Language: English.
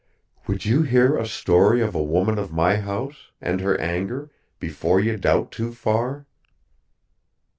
"Would you hear a story of a woman of my house, and her anger, before you doubt too far?"